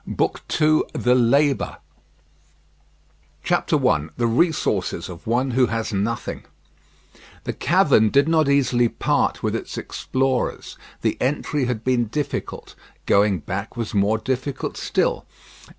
BOOK II THE LABOUR I THE RESOURCES OF ONE WHO HAS NOTHING The cavern did not easily part with its explorers. The entry had been difficult; going back was more difficult still.